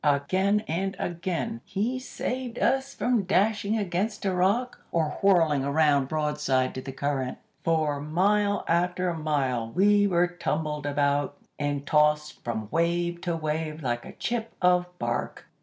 Again and again he saved us from dashing against a rock, or whirling around broadside to the current. "For mile after mile we were tumbled about, and tossed from wave to wave like a chip of bark.